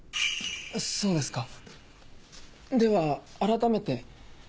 そうですかでは改めて。